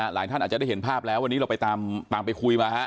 หลายท่านอาจจะได้เห็นภาพแล้ววันนี้เราไปตามไปคุยมาฮะ